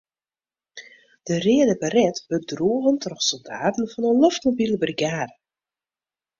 De reade baret wurdt droegen troch soldaten fan 'e loftmobile brigade.